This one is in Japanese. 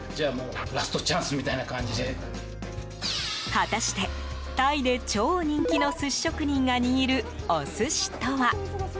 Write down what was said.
果たして、タイで超人気の寿司職人が握るお寿司とは。